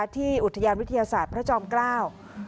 ที่อุทยานวิทยาศาสตร์พระจอมเกล้า